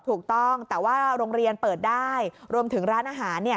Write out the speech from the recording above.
ถูกต้องแต่ว่าโรงเรียนเปิดได้รวมถึงร้านอาหารเนี่ย